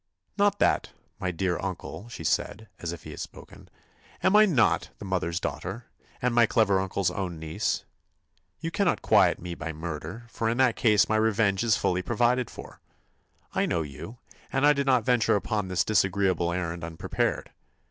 "Not that, dear uncle," she said, as if he had spoken. "Am I not my mother's daughter, and my clever uncle's own niece? You cannot quiet me by murder, for in that case my revenge is fully provided for. I know you, and I did not venture upon this disagreeable errand unprepared.